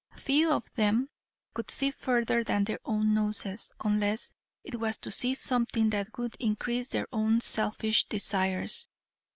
Few of them could see further than their own noses unless it was to see something that would increase their own selfish desires.